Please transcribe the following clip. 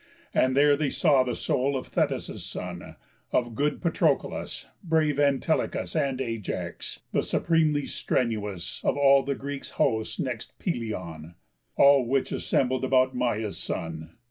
And there they saw the soul of Thetis' son, Of good Patroclus, brave Antilochus, And Ajax, the supremely strenuous Of all the Greek host next Pelëion; All which assembled about Maia's son.